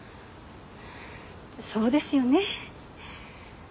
そうですよね。